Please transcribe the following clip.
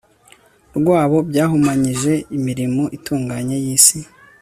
rwabo byahumanyije imirimo itunganye yisi